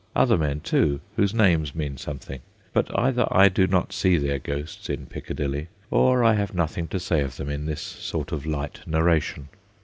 Other men, too, whose names mean something, but either I do not see their ghosts in Piccadilly, or I have nothing to say of them in this sort of light narration.